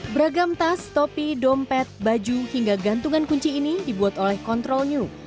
beragam tas topi dompet baju hingga gantungan kunci ini dibuat oleh control new